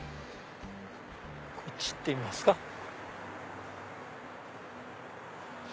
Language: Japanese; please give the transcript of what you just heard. こっち行ってみますか。